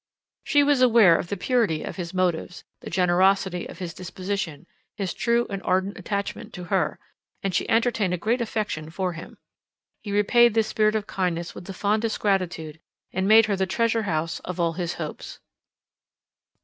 She was aware of the purity of his motives, the generosity of his disposition, his true and ardent attachment to her; and she entertained a great affection for him. He repaid this spirit of kindness with the fondest gratitude, and made her the treasure house of all his hopes.